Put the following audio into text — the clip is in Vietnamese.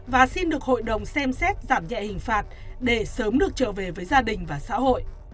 và xin được hội đồng xem xét giảm nhẹ hình phạt để sớm được trở về với gia đình và xã hội